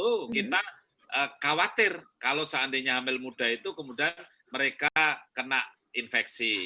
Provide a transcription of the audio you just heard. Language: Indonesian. itu kita khawatir kalau seandainya hamil muda itu kemudian mereka kena infeksi